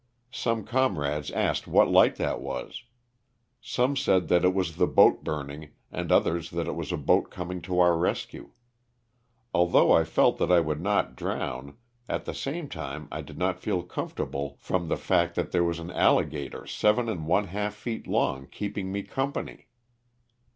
Some comrades asked what light that was. Some said that it was the boat burn ing and others that it was a boat coming to our rescue. Although I felt that I would not drown at the same time I did not feel comfortable from the fact that 180 LOSS OF THE SULTANA. there was an alligator seven and one half feet long keeping me company.